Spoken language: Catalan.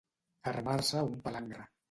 Armar-se un palangre.